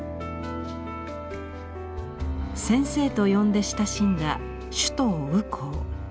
先生と呼んで親しんだ首藤雨郊。